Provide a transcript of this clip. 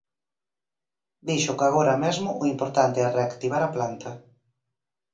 Dixo que agora mesmo o importante é reactivar a planta.